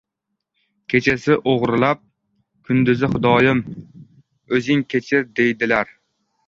• Kechasi o‘g‘irlab, kunduzi “Xudoyim, o‘zing kechir” deydilar.